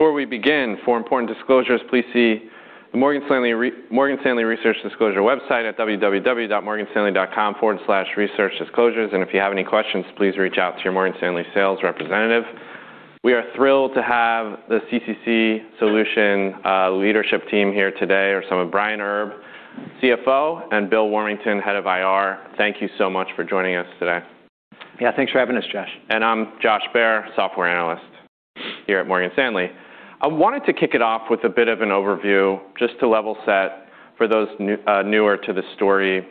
Before we begin, for important disclosures, please see the Morgan Stanley Research Disclosure website at www.morganstanley.com/researchdisclosures. If you have any questions, please reach out to your Morgan Stanley sales representative. We are thrilled to have the CCC Solutions leadership team here today are some of Brian Herb, CFO, and Bill Warmington, Head of IR. Thank you so much for joining us today. Yeah. Thanks for having us, Josh. I'm Josh Baer, software analyst here at Morgan Stanley. I wanted to kick it off with a bit of an overview just to level set for those newer to the story.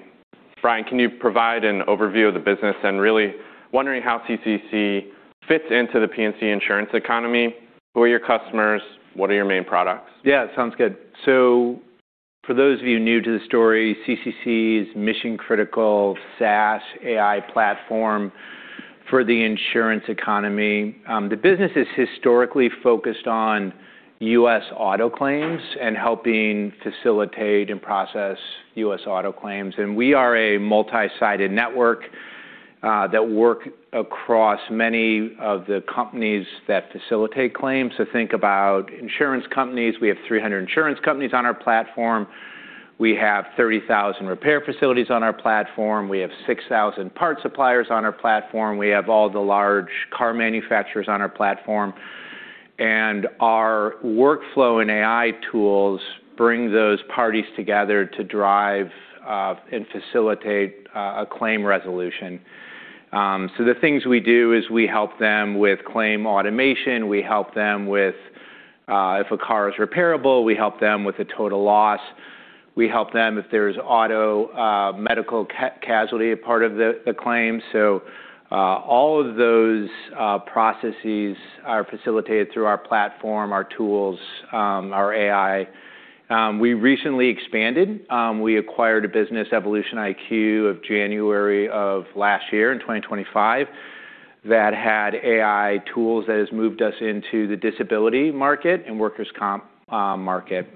Brian, can you provide an overview of the business? Really wondering how CCC fits into the P&C insurance economy, who are your customers, what are your main products? Yeah, sounds good. For those of you new to the story, CCC's mission-critical SaaS AI platform for the insurance economy. The business is historically focused on U.S. auto claims and helping facilitate and process U.S. auto claims. We are a multi-sided network that work across many of the companies that facilitate claims. Think about insurance companies. We have 300 insurance companies on our platform. We have 30,000 repair facilities on our platform. We have 6,000 parts suppliers on our platform. We have all the large car manufacturers on our platform. Our workflow and AI tools bring those parties together to drive and facilitate a claim resolution. The things we do is we help them with claim automation. We help them with if a car is repairable. We help them with the total loss. We help them if there's auto, medical Casualty part of the claim. All of those processes are facilitated through our platform, our tools, our AI. We recently expanded. We acquired a business EvolutionIQ of January of last year in 2025 that had AI tools that has moved us into the disability market and workers' comp market.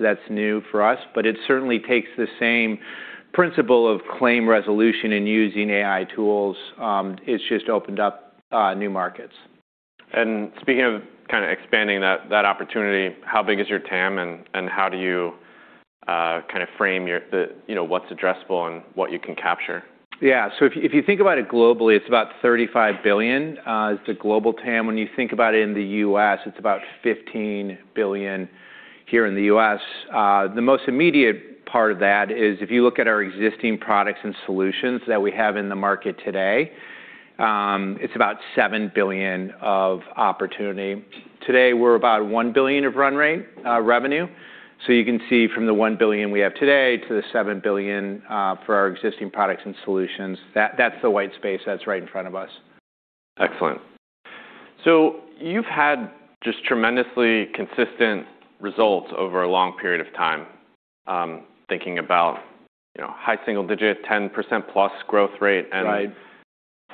That's new for us, but it certainly takes the same principle of claim resolution and using AI tools. It's just opened up new markets. Speaking of kind of expanding that opportunity, how big is your TAM, and how do you, kind of frame the, you know, what's addressable and what you can capture? Yeah. If you think about it globally, it's about $35 billion is the global TAM. When you think about it in the U.S., it's about $15 billion here in the U.S. The most immediate part of that is if you look at our existing products and solutions that we have in the market today, it's about $7 billion of opportunity. Today, we're about $1 billion of run rate revenue. You can see from the $1 billion we have today to the $7 billion for our existing products and solutions, that's the white space that's right in front of us. Excellent. You've had just tremendously consistent results over a long period of time, thinking about, you know, high single digit, 10%+ growth rate. Right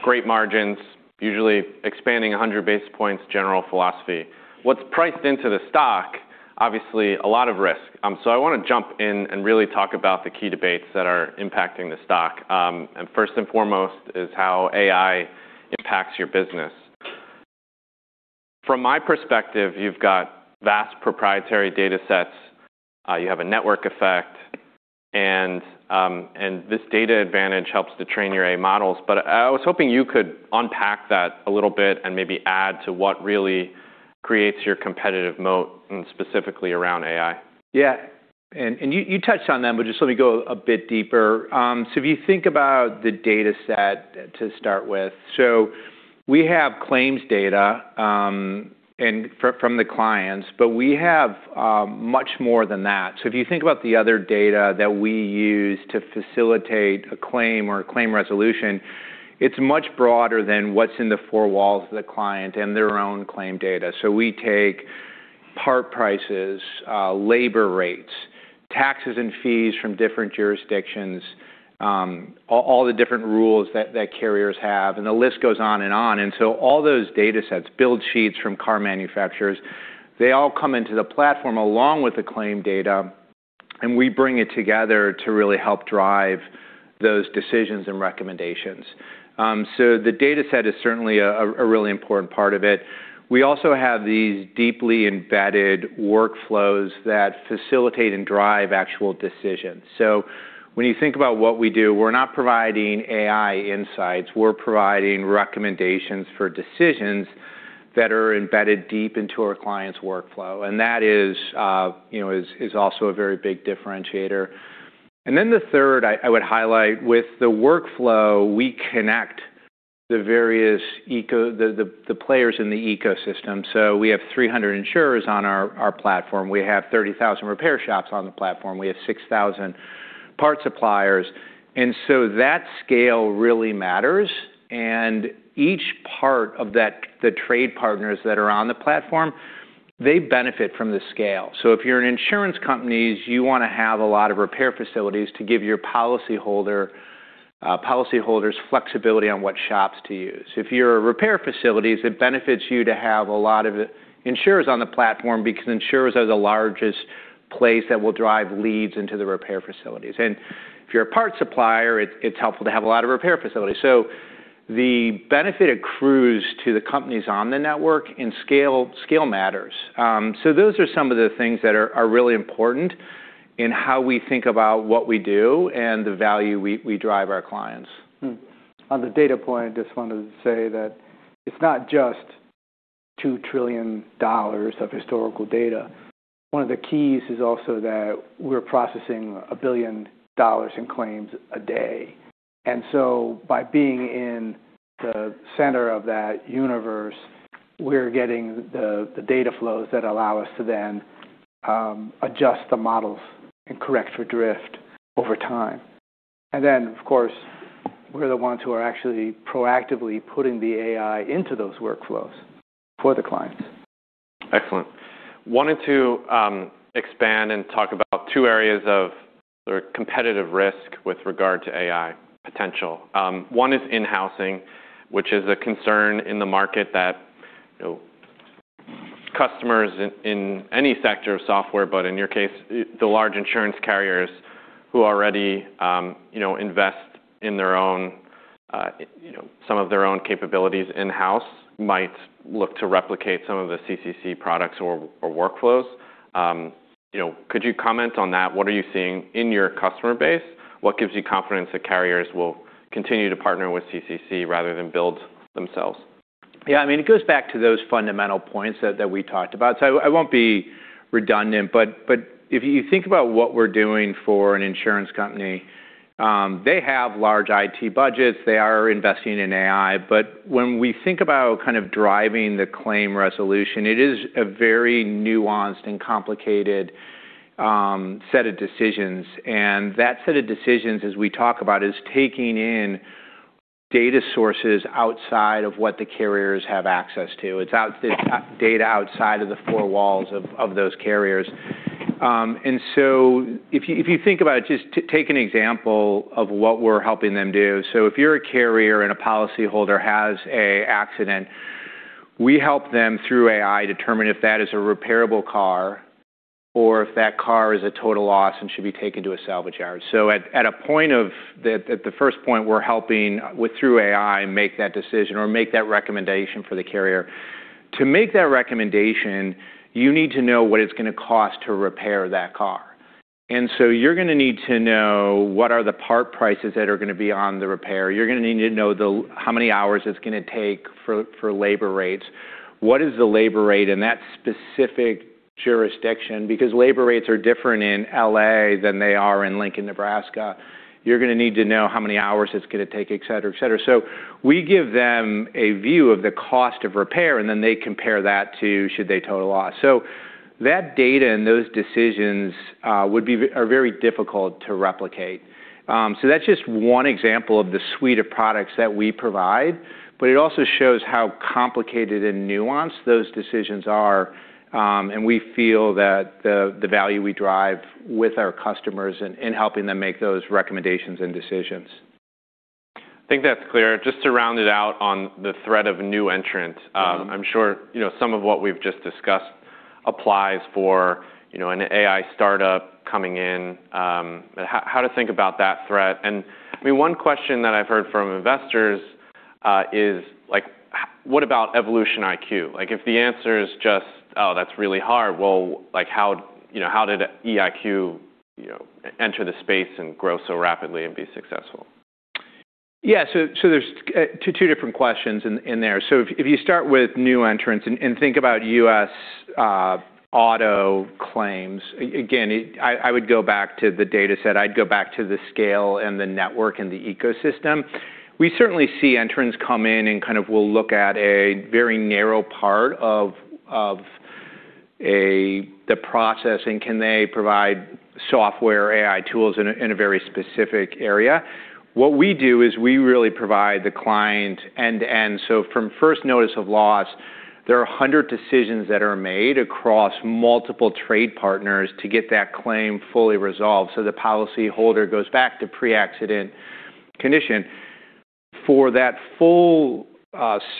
Great margins, usually expanding 100 basis points general philosophy. What's priced into the stock, obviously a lot of risk. I wanna jump in and really talk about the key debates that are impacting the stock. First and foremost is how AI impacts your business. From my perspective, you've got vast proprietary datasets, you have a network effect, and this data advantage helps to train your AI models. I was hoping you could unpack that a little bit and maybe add to what really creates your competitive moat and specifically around AI. Yeah. You, you touched on them, but just let me go a bit deeper. If you think about the dataset to start with. We have claims data from the clients, but we have much more than that. If you think about the other data that we use to facilitate a claim or a claim resolution, it's much broader than what's in the four walls of the client and their own claim data. We take part prices, labor rates, taxes and fees from different jurisdictions, all the different rules that carriers have, and the list goes on and on. All those datasets, Build Sheets from car manufacturers, they all come into the platform along with the claim data, and we bring it together to really help drive those decisions and recommendations. The dataset is certainly a really important part of it. We also have these deeply embedded workflows that facilitate and drive actual decisions. When you think about what we do, we're not providing AI insights, we're providing recommendations for decisions that are embedded deep into our client's workflow. That is, you know, is also a very big differentiator. The third I would highlight with the workflow, we connect the various players in the ecosystem. We have 300 insurers on our platform. We have 30,000 repair shops on the platform. We have 6,000 part suppliers. That scale really matters. Each part of the trade partners that are on the platform, they benefit from the scale. So, if you're an insurance companies, you wanna have a lot of repair facilities to give your policyholder, policyholders flexibility on what shops to use. If you're a repair facilities, it benefits you to have a lot of insurers on the platform because insurers are the largest place that will drive leads into the repair facilities. If you're a part supplier, it's helpful to have a lot of repair facilities. The benefit accrues to the companies on the network, and scale matters. Those are some of the things that are really important in how we think about what we do and the value we drive our clients. On the data point, I just wanted to say that it's not just $2 trillion of historical data. One of the keys is also that we're processing $1 billion in claims a day. By being in the center of that universe, we're getting the data flows that allow us to then adjust the models and correct for drift over time. Of course, we're the ones who are actually proactively putting the AI into those workflows for the clients. Excellent. Wanted to expand and talk about two areas of competitive risk with regard to AI potential. One is in-housing, which is a concern in the market that, you know, customers in any sector of software, but in your case, the large insurance carriers who already, you know, invest in their own, you know, some of their own capabilities in-house might look to replicate some of the CCC products or workflows. You know, could you comment on that? What are you seeing in your customer base? What gives you confidence that carriers will continue to partner with CCC rather than build themselves? Yeah, I mean, it goes back to those fundamental points that we talked about. I won't be redundant, but if you think about what we're doing for an insurance company, they have large IT budgets. They are investing in AI. When we think about kind of driving the claim resolution, it is a very nuanced and complicated set of decisions. That set of decisions, as we talk about, is taking in data sources outside of what the carriers have access to. It's out-data outside of the four walls of those carriers. If you think about it, just take an example of what we're helping them do. If you're a carrier and a policyholder has an accident, we help them through AI determine if that is a repairable car or if that car is a total loss and should be taken to a salvage yard. At the first point we're helping through AI make that decision or make that recommendation for the carrier. To make that recommendation, you need to know what it's gonna cost to repair that car. You're gonna need to know what are the part prices that are gonna be on the repair. You're gonna need to know how many hours it's gonna take for labor rates. What is the labor rate in that specific jurisdiction? Because labor rates are different in L.A. than they are in Lincoln, Nebraska. You're gonna need to know how many hours it's gonna take, et cetera, et cetera. We give them a view of the cost of repair, and then they compare that to should they total loss. That data and those decisions are very difficult to replicate. That's just one example of the suite of products that we provide, but it also shows how complicated and nuanced those decisions are, and we feel that the value we drive with our customers in helping them make those recommendations and decisions. I think that's clear. Just to round it out on the threat of new entrants. Mm-hmm. I'm sure, you know, some of what we've just discussed applies for, you know, an AI startup coming in, how to think about that threat. I mean, one question that I've heard from investors, is like, what about EvolutionIQ? Like, if the answer is just, "Oh, that's really hard," well, like how, you know, how did EIQ, you know, enter the space and grow so rapidly and be successful? Yeah. So there's two different questions in there. If you start with new entrants and think about U.S. auto claims, again, I would go back to the dataset. I'd go back to the scale and the network and the ecosystem. We certainly see entrants come in and kind of will look at a very narrow part of the processing. Can they provide software or AI tools in a very specific area? What we do is we really provide the client end-to-end. From First Notice of Loss, there are 100 decisions that are made across multiple trade partners to get that claim fully resolved so the policyholder goes back to pre-accident condition. For that full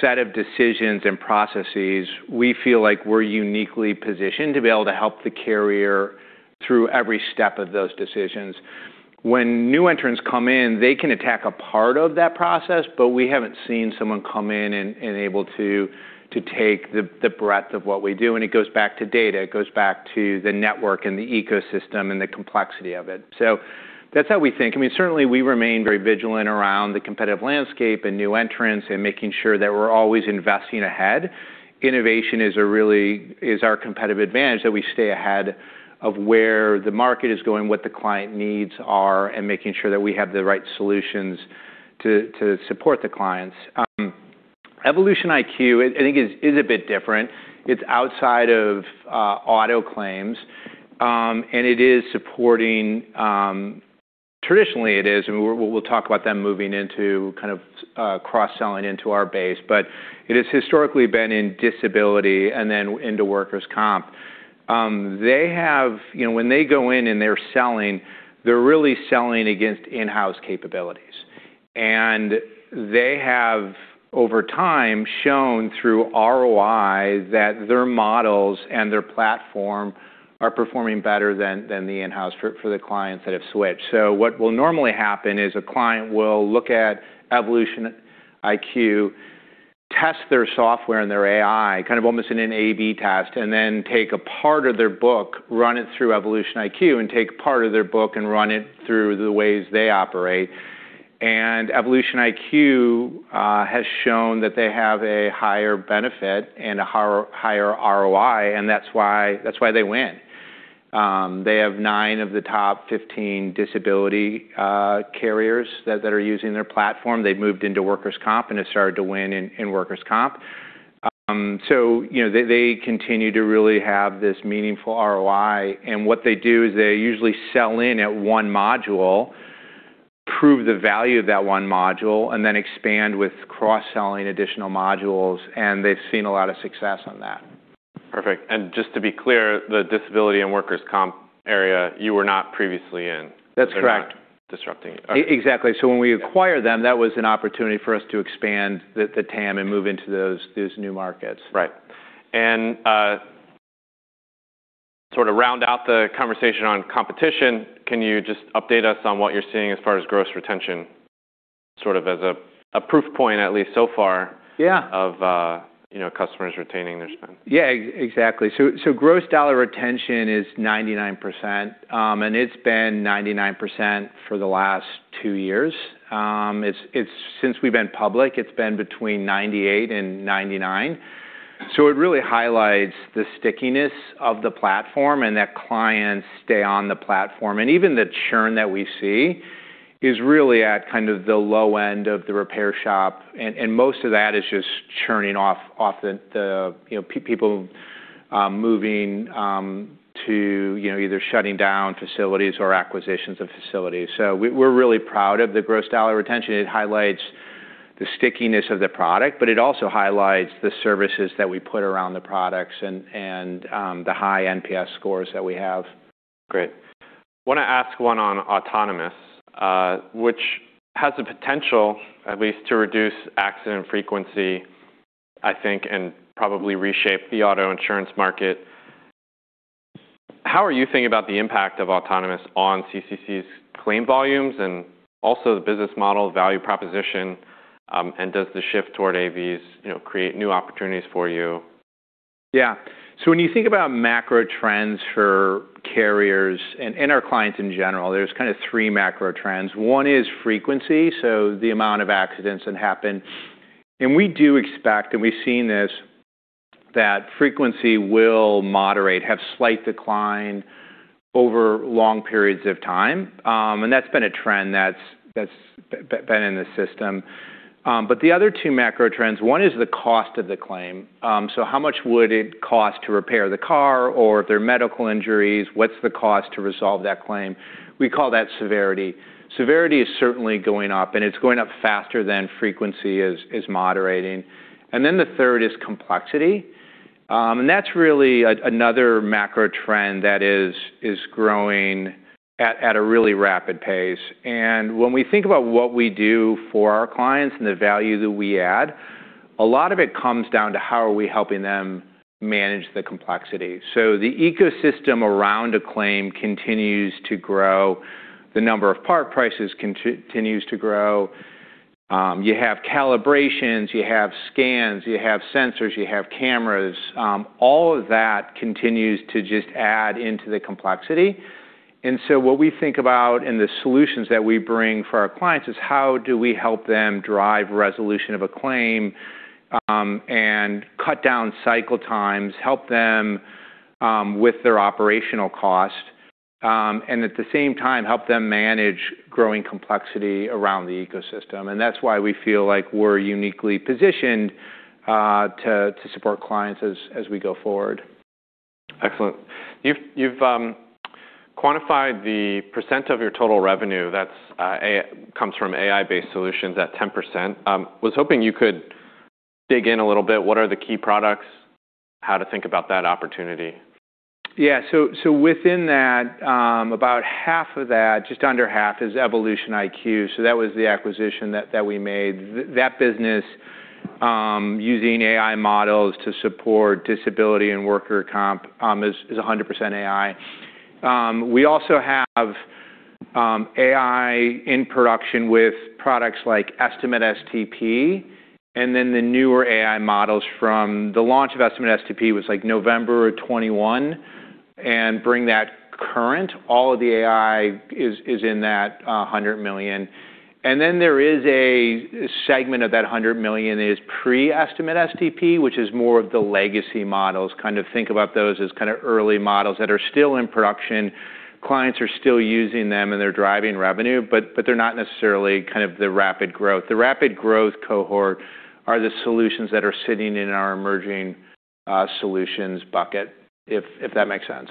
set of decisions and processes, we feel like we're uniquely positioned to be able to help the carrier through every step of those decisions. New entrants come in, they can attack a part of that process, we haven't seen someone come in and able to take the breadth of what we do. It goes back to data. It goes back to the network and the ecosystem and the complexity of it. That's how we think. I mean, certainly we remain very vigilant around the competitive landscape and new entrants and making sure that we're always investing ahead. Innovation is our competitive advantage, that we stay ahead of where the market is going, what the client needs are, and making sure that we have the right solutions to support the clients. EvolutionIQ, I think is a bit different. It's outside of auto claims, and it is supporting traditionally it is, and we'll talk about them moving into kind of cross-selling into our base. It has historically been in disability and then into workers' comp. They have, you know, when they go in and they're selling, they're really selling against in-house capabilities. They have, over time, shown through ROI that their models and their platform are performing better than the in-house for the clients that have switched. What will normally happen is a client will look at EvolutionIQ, test their software and their AI, kind of almost in an AB test, and then take a part of their book, run it through EvolutionIQ, and take part of their book and run it through the ways they operate. EvolutionIQ has shown that they have a higher benefit and a higher ROI, and that's why they win. They have nine of the top 15 disability carriers that are using their platform. They've moved into workers' comp and have started to win in workers' comp. You know, they continue to really have this meaningful ROI, and what they do is they usually sell in at one module, prove the value of that one module, and then expand with cross-selling additional modules, and they've seen a lot of success on that. Perfect. Just to be clear, the disability and workers' comp area, you were not previously in. That's correct. You're not disrupting. Okay. Exactly. When we acquire them, that was an opportunity for us to expand the TAM and move into those new markets. Right. Sort of round out the conversation on competition, can you just update us on what you're seeing as far as gross retention, sort of as a proof point, at least so far- Yeah -of you know, customers retaining their spend? Yeah, exactly. Gross Dollar Retention is 99%, and it's been 99% for the last two years. It's since we've been public, it's been between 98 and 99. It really highlights the stickiness of the platform and that clients stay on the platform. Even the churn that we see is really at kind of the low end of the repair shop, and most of that is just churning off the, you know, people moving to, you know, either shutting down facilities or acquisitions of facilities. We're really proud of the Gross Dollar Retention. It highlights the stickiness of the product, but it also highlights the services that we put around the products and the high NPS scores that we have. Great. Wanna ask one on autonomous, which has the potential at least to reduce accident frequency, I think, and probably reshape the auto insurance market. How are you thinking about the impact of autonomous on CCC's claim volumes and also the business model value proposition, and does the shift toward AVs, you know, create new opportunities for you? When you think about macro trends for carriers and our clients in general, there's kind of three macro trends. One is frequency, so the amount of accidents that happen. We do expect, and we've seen this, that frequency will moderate, have slight decline over long periods of time. And that's been a trend that's been in the system. The other two macro trends, one is the cost of the claim. So how much would it cost to repair the car, or if there are medical injuries, what's the cost to resolve that claim. We call that severity. Severity is certainly going up, and it's going up faster than frequency is moderating. The third is complexity. And that's really another macro trend that is growing at a really rapid pace. When we think about what we do for our clients and the value that we add, a lot of it comes down to how are we helping them manage the complexity. The ecosystem around a claim continues to grow. The number of part prices continues to grow. You have calibrations, you have scans, you have sensors, you have cameras. All of that continues to just add into the complexity. What we think about and the solutions that we bring for our clients is how do we help them drive resolution of a claim, and cut down cycle times, help them with their operational cost, and at the same time help them manage growing complexity around the ecosystem. That's why we feel like we're uniquely positioned to support clients as we go forward. Excellent. You've quantified the percent of your total revenue comes from AI-based solutions at 10%. Was hoping you could dig in a little bit. What are the key products? How to think about that opportunity? Within that, about half of that, just under half, is EvolutionIQ. That was the acquisition that we made. That business, using AI models to support disability and worker comp, is 100% AI. We also have AI in production with products like Estimate STP and the newer AI models from the launch of Estimate STP was like November of 2021 and bring that current. All of the AI is in that $100 million. There is a segment of that $100 million is pre-Estimate STP, which is more of the legacy models. Kind of think about those as kind of early models that are still in production. Clients are still using them, and they're driving revenue, but they're not necessarily kind of the rapid growth. The rapid growth cohort are the solutions that are sitting in our emerging solutions bucket, if that makes sense?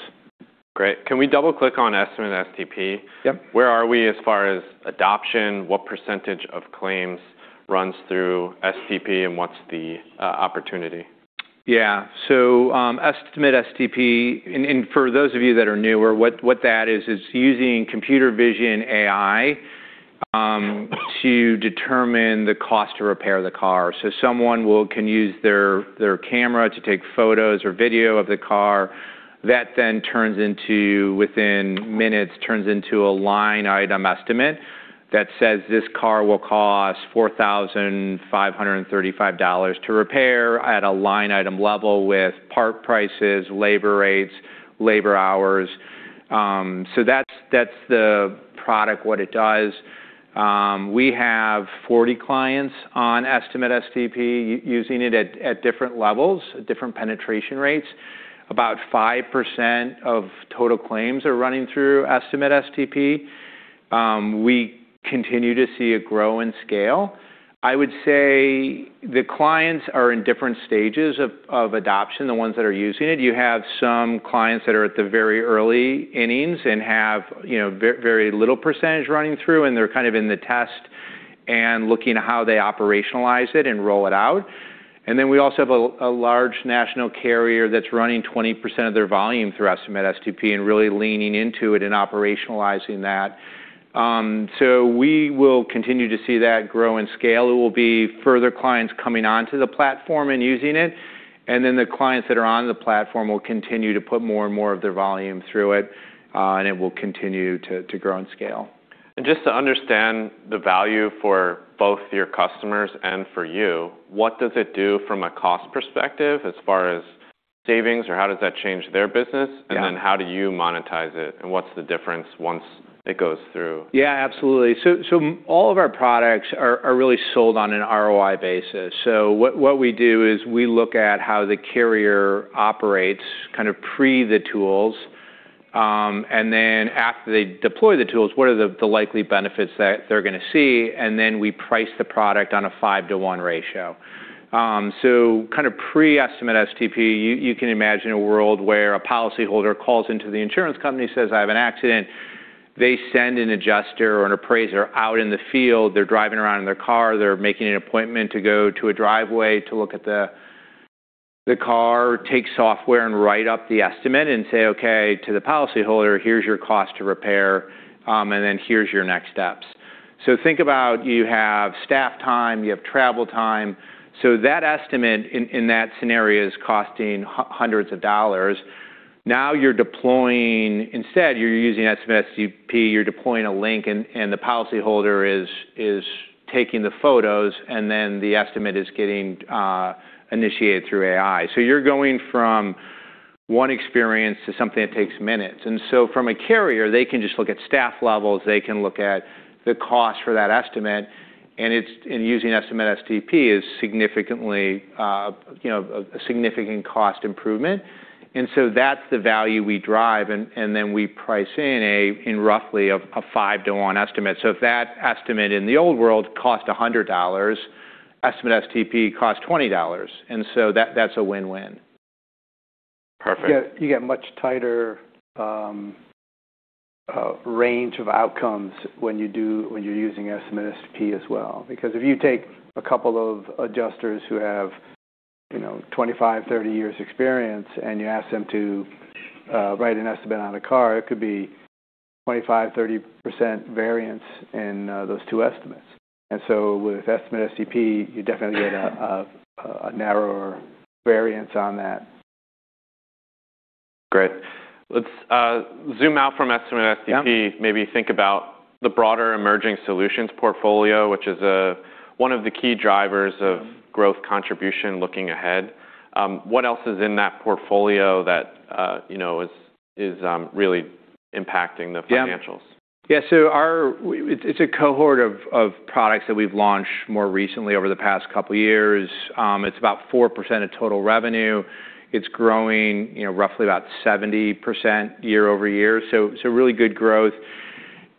Great. Can we double-click on Estimate STP? Yep. Where are we as far as adoption? What % of claims runs through STP, and what's the opportunity? Yeah. Estimate STP. For those of you that are newer, what that is using computer vision AI to determine the cost to repair the car. Someone can use their camera to take photos or video of the car. Within minutes, turns into a line item estimate that says this car will cost $4,535 to repair at a line item level with part prices, labor rates, labor hours. That's the product, what it does. We have 40 clients on Estimate STP using it at different levels, different penetration rates. About 5% of total claims are running through Estimate STP. We continue to see it grow in scale. I would say the clients are in different stages of adoption, the ones that are using it. You have some clients that are at the very early innings and have, you know, very little percentage running through, and they're kind of in the test and looking at how they operationalize it and roll it out. We also have a large national carrier that's running 20% of their volume through Estimate STP and really leaning into it and operationalizing that. We will continue to see that grow in scale. It will be further clients coming onto the platform and using it, and then the clients that are on the platform will continue to put more and more of their volume through it, and it will continue to grow in scale. Just to understand the value for both your customers and for you, what does it do from a cost perspective as far as savings, or how does that change their business? Yeah. How do you monetize it, and what's the difference once it goes through? Absolutely. All of our products are really sold on an ROI basis. What we do is we look at how the carrier operates kind of pre the tools, and then after they deploy the tools, what are the likely benefits that they're gonna see, and then we price the product on a 5-to-1 ratio. Kind of pre-Estimate STP, you can imagine a world where a policyholder calls into the insurance company, says, "I have an accident." They send an adjuster or an appraiser out in the field. They're driving around in their car. They're making an appointment to go to a driveway to look at the car, take software and write up the estimate and say, "Okay," to the policyholder, "here's your cost to repair, and then here's your next steps." Think about you have staff time, you have travel time. That estimate in that scenario is costing hundreds of dollars. Instead, you're using Estimate STP, you're deploying a link and the policyholder is taking the photos, and then the estimate is getting initiated through AI. You're going from one experience to something that takes minutes. From a carrier, they can just look at staff levels. They can look at the cost for that estimate. Using Estimate STP is significantly, you know, a significant cost improvement. That's the value we drive, and then we price in roughly a 5-to-1 estimate. If that estimate in the old world cost $100, Estimate STP costs $20, that's a win-win. Perfect. Yeah. You get much tighter, range of outcomes when you're using Estimate STP as well. If you take a couple of adjusters who have, you know, 25, 30 years experience and you ask them to write an estimate on a car, it could be 25%-30% variance in those two estimates. With Estimate STP, you definitely get a narrower variance on that. Great. Let's zoom out from Estimate STP. Yeah. Maybe think about the broader emerging solutions portfolio, which is one of the key drivers of growth contribution looking ahead. What else is in that portfolio that, you know, is really impacting the financials? Yeah. Yeah. It's a cohort of products that we've launched more recently over the past couple years. It's about 4% of total revenue. It's growing, you know, roughly about 70% year-over-year, so really good growth.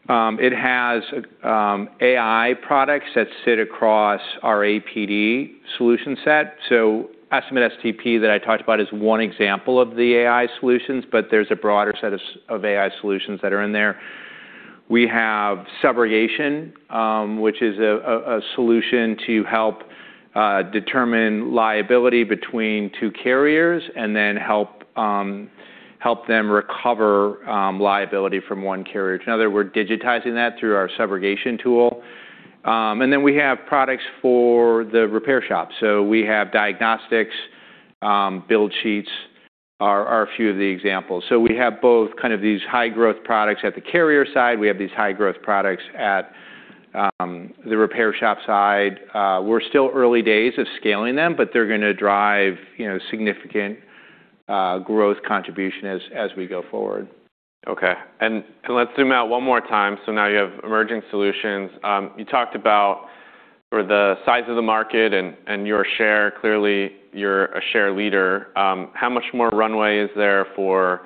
It has AI products that sit across our APD solution set. Estimate STP that I talked about is one example of the AI solutions, but there's a broader set of AI solutions that are in there. We have subrogation, which is a solution to help determine liability between two carriers and then help them recover liability from one carrier to another. We're digitizing that through our subrogation tool. We have products for the repair shop. We have Diagnostics, Build Sheets are a few of the examples. We have both kind of these high growth products at the carrier side. We have these high growth products at the repair shop side. We're still early days of scaling them, but they're gonna drive, you know, significant growth contribution as we go forward. Okay. Let's zoom out one more time. Now you have emerging solutions. You talked about for the size of the market and your share, clearly you're a share leader. How much more runway is there for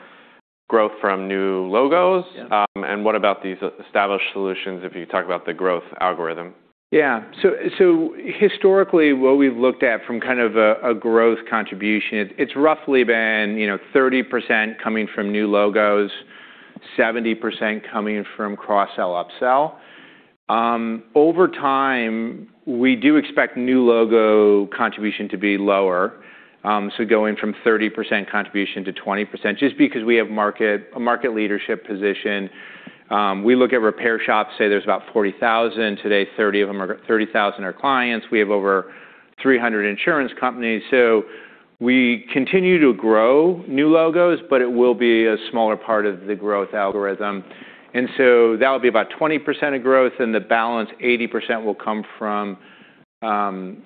growth from new logos? Yeah. What about these e-established solutions if you talk about the growth algorithm? Yeah. So historically, what we've looked at from kind of a growth contribution, it's roughly been, you know, 30% coming from new logos, 70% coming from cross-sell, up-sell. Over time, we do expect new logo contribution to be lower, so going from 30% contribution to 20% just because we have market, a market leadership position. We look at repair shops, say there's about 40,000. Today, 30,000 are clients. We have over 300 insurance companies. We continue to grow new logos, but it will be a smaller part of the growth algorithm. That would be about 20% of growth, and the balance, 80%, will come from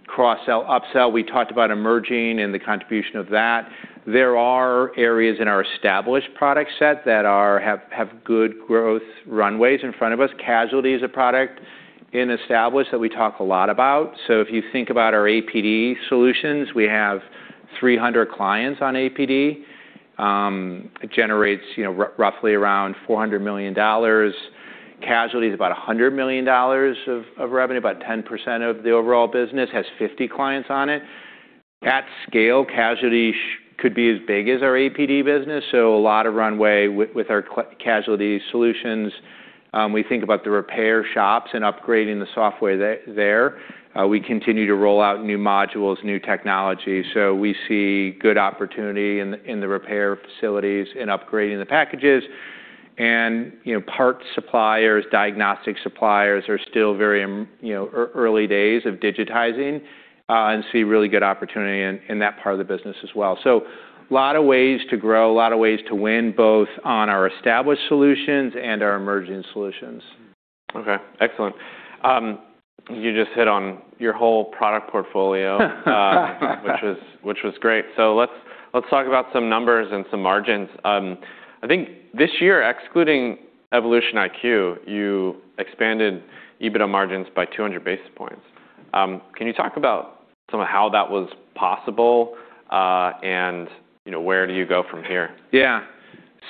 cross-sell, up-sell. We talked about emerging and the contribution of that. There are areas in our established product set that have good growth runways in front of us. Casualty is a product in established that we talk a lot about. If you think about our APD solutions, we have 300 clients on APD. It generates, you know, roughly around $400 million. Casualty is about $100 million of revenue, about 10% of the overall business, has 50 clients on it. At scale, Casualty could be as big as our APD business, a lot of runway with our Casualty solutions. We think about the repair shops and upgrading the software there. We continue to roll out new modules, new technology. We see good opportunity in the repair facilities, in upgrading the packages. You know, parts suppliers, diagnostic suppliers are still very you know, early days of digitizing, and see really good opportunity in that part of the business as well. Lot of ways to grow, a lot of ways to win, both on our established solutions and our emerging solutions. Okay. Excellent. You just hit on your whole product portfolio, which was great. Let's talk about some numbers and some margins. I think this year, excluding EvolutionIQ, you expanded EBITDA margins by 200 basis points. Can you talk about some of how that was possible, and, you know, where do you go from here?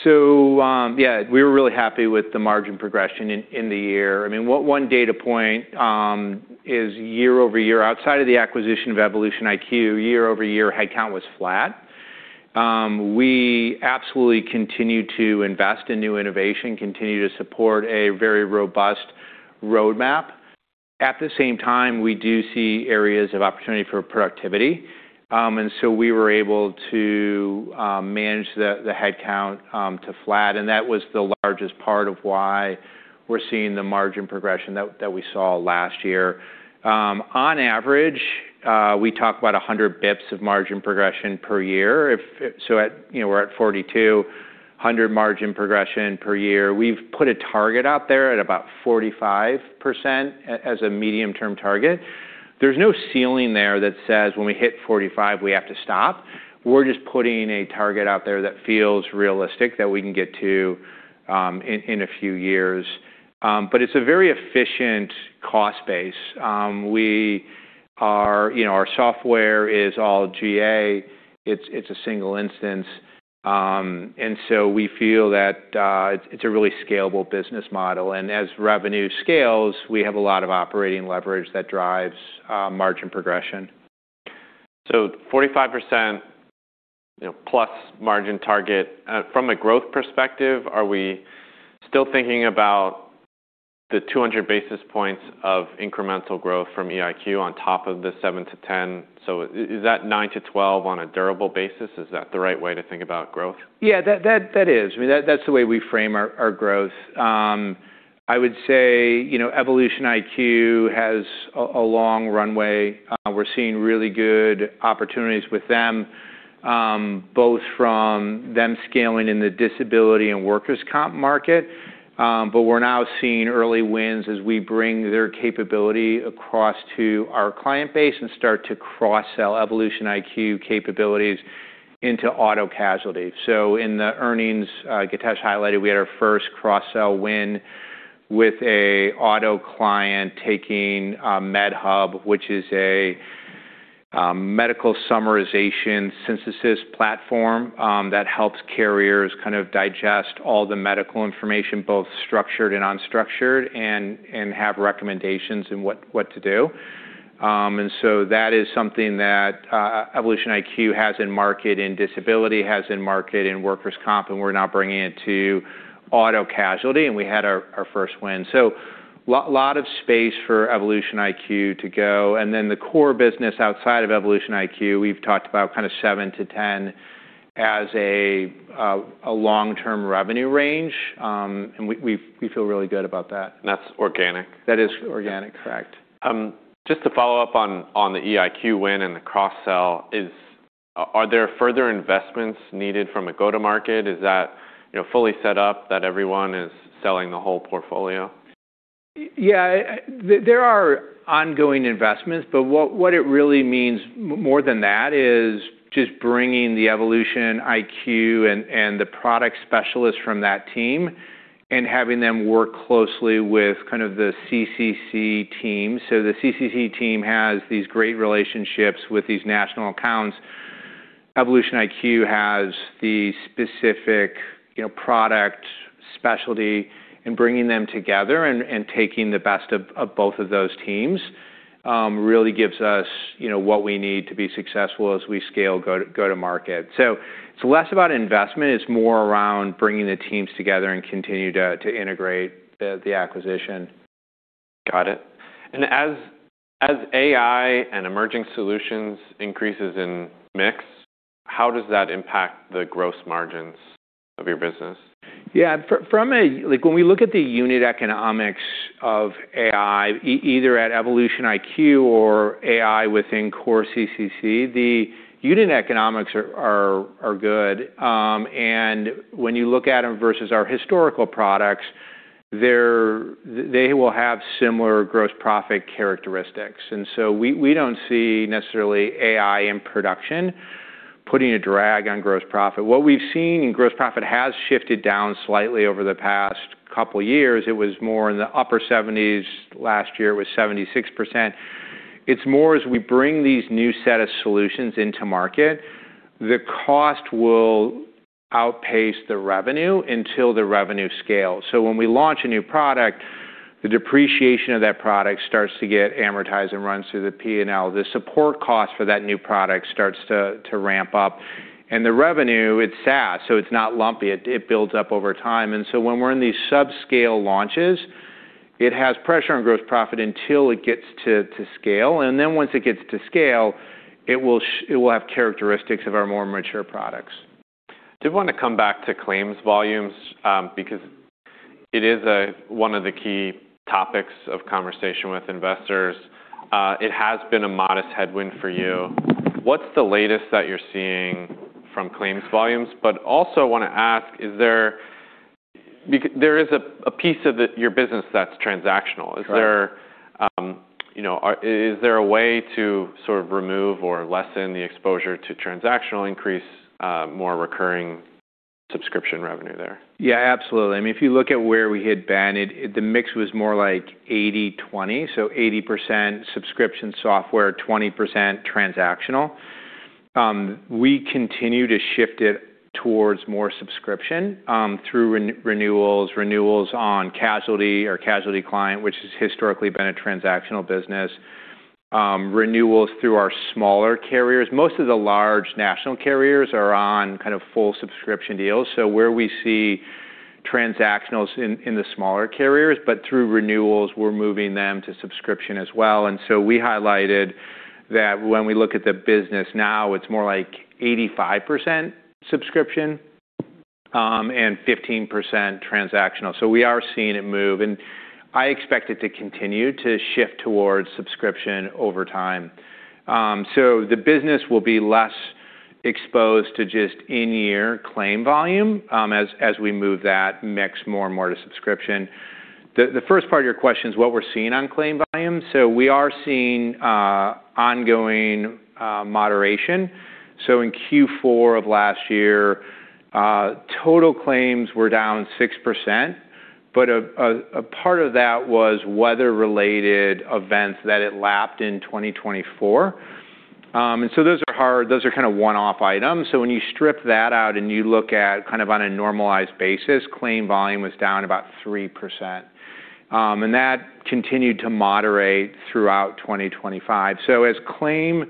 Yeah, we were really happy with the margin progression in the year. I mean, what one data point is year-over-year, outside of the acquisition of EvolutionIQ, year-over-year, headcount was flat. We absolutely continue to invest in new innovation, continue to support a very robust roadmap. At the same time, we do see areas of opportunity for productivity. We were able to manage the headcount to flat, and that was the largest part of why we're seeing the margin progression that we saw last year. On average, we talk about 100 bips of margin progression per year. At, you know, we're at 4,200 margin progression per year. We've put a target out there at about 45% as a medium-term target. There's no ceiling there that says when we hit 45, we have to stop. We're just putting a target out there that feels realistic that we can get to in a few years. It's a very efficient cost base. You know, our software is all GA. It's a single instance. We feel that it's a really scalable business model. As revenue scales, we have a lot of operating leverage that drives margin progression. 45%, you know, plus margin target. From a growth perspective, are we still thinking about the 200 basis points of incremental growth from EIQ on top of the 7%-10%? Is that 9%-12% on a durable basis? Is that the right way to think about growth? Yeah. That is. I mean, that's the way we frame our growth. I would say, you know, EvolutionIQ has a long runway. We're seeing really good opportunities with them, both from them scaling in the disability and workers' comp market. We're now seeing early wins as we bring their capability across to our client base and start to cross-sell EvolutionIQ capabilities into auto casualty. In the earnings, Githesh highlighted, we had our first cross-sell win with a auto client taking MedHub, which is a medical summarization synthesis platform that helps carriers kind of digest all the medical information, both structured and unstructured, and have recommendations in what to do. That is something that EvolutionIQ has in market, and Disability has in market, and workers' comp, and we're now bringing it to auto Casualty, and we had our first win. Lot of space for EvolutionIQ to go. The core business outside of EvolutionIQ, we've talked about kind of 7-10 as a long-term revenue range. We feel really good about that. That's organic? That is organic, correct. Just to follow up on the EIQ win and the cross-sell, are there further investments needed from a go-to-market? Is that, you know, fully set up, that everyone is selling the whole portfolio? There are ongoing investments, but what it really means more than that is just bringing the EvolutionIQ and the product specialists from that team and having them work closely with kind of the CCC team. The CCC team has these great relationships with these national accounts. EvolutionIQ has the specific, you know, product specialty and bringing them together and taking the best of both of those teams really gives us, you know, what we need to be successful as we scale go to market. It's less about investment. It's more around bringing the teams together and continue to integrate the acquisition. Got it. As AI and emerging solutions increases in mix, how does that impact the gross margins of your business? Yeah. Like, when we look at the unit economics of AI, either at EvolutionIQ or AI within core CCC, the unit economics are good. When you look at them versus our historical products, they will have similar gross profit characteristics. We, we don't see necessarily AI in production putting a drag on gross profit. What we've seen in gross profit has shifted down slightly over the past couple years. It was more in the upper 70s. Last year it was 76%. It's more as we bring these new set of solutions into market, the cost will outpace the revenue until the revenue scales. When we launch a new product, the depreciation of that product starts to get amortized and runs through the P&L. The support cost for that new product starts to ramp up. The revenue, it's SaaS, so it's not lumpy. It builds up over time. When we're in these subscale launches, it has pressure on gross profit until it gets to scale. Once it gets to scale, it will have characteristics of our more mature products. Did want to come back to claims volumes, because it is one of the key topics of conversation with investors. It has been a modest headwind for you. What's the latest that you're seeing from claims volumes? Also wanna ask, is there there is a piece of it, your business that's transactional. Correct. Is there a way to sort of remove or lessen the exposure to transactional increase, more recurring subscription revenue there? Yeah, absolutely. I mean, if you look at where we had been, it the mix was more like 80/20, so 80% subscription software, 20% transactional. We continue to shift it towards more subscription, through renewals on Casualty or Casualty client, which has historically been a transactional business. Renewals through our smaller carriers. Most of the large national carriers are on kind of full subscription deals. Where we see transactionals in the smaller carriers, but through renewals, we're moving them to subscription as well. We highlighted that when we look at the business now, it's more like 85% subscription, and 15% transactional. We are seeing it move, and I expect it to continue to shift towards subscription over time. The business will be less exposed to just in-year claim volume, as we move that mix more and more to subscription. The, the first part of your question is what we're seeing on claim volume. We are seeing ongoing moderation. In Q4 of last year, total claims were down 6%, but a, a part of that was weather-related events that it lapped in 2024. Those are kinda one-off items. When you strip that out and you look at kind of on a normalized basis, claim volume was down about 3%. That continued to moderate throughout 2025. As claim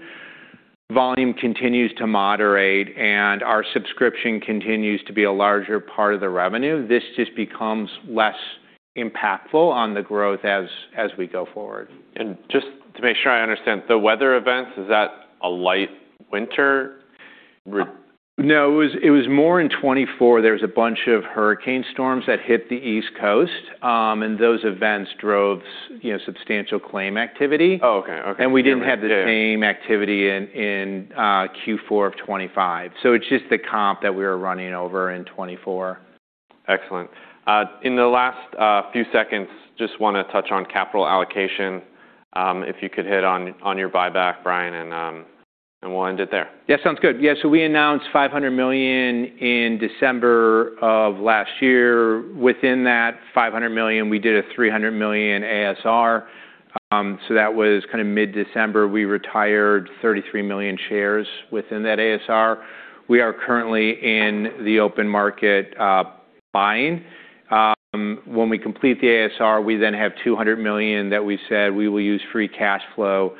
volume continues to moderate and our subscription continues to be a larger part of the revenue, this just becomes less impactful on the growth as we go forward. Just to make sure I understand, the weather events, is that a light winter? It was more in 2024. There was a bunch of hurricane storms that hit the East Coast. Those events drove you know, substantial claim activity. Oh, okay. Okay. We didn't have the same activity in Q4 of 2025. It's just the comp that we were running over in 2024. Excellent. In the last few seconds, just wanna touch on capital allocation. If you could hit on your buyback, Brian. We'll end it there. Sounds good. We announced $500 million in December of last year. Within that $500 million, we did a $300 million ASR. That was kinda mid-December. We retired 33 million shares within that ASR. We are currently in the open market buying. When we complete the ASR, we then have $200 million that we said we will use free cash flow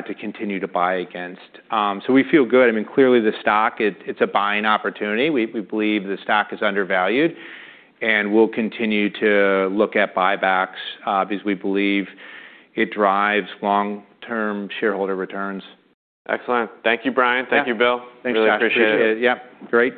to continue to buy against. We feel good. I mean, clearly, the stock, it's a buying opportunity. We believe the stock is undervalued. We'll continue to look at buybacks because we believe it drives long-term shareholder returns. Excellent. Thank you, Brian. Yeah. Thank you, Bill. Thanks, Josh. Really appreciate it. Appreciate it. Yep. Great.